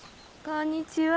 こんにちは。